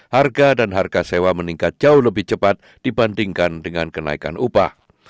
harga dan harga sewa meningkat jauh lebih cepat dibandingkan dengan kenaikan upah